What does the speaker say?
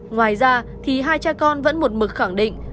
ngoài ra thì hai cha con vẫn một mực khẳng định